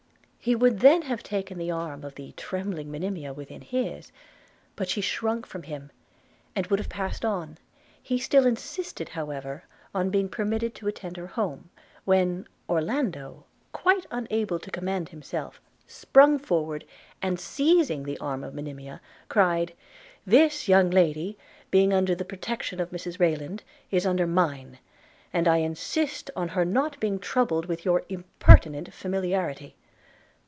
He would then have taken the arm of the trembling Monimia within his; but she shrunk from him, and would have passed on. He still insisted, however, on being permitted to attend her home; when Orlando, quite unable to command himself, sprung forward, and, seizing the arm of Monimia, cried, 'This young lady, being under the protection of Mrs Rayland, is under mine; and I insist on her not being troubled with your impertinent familiarity.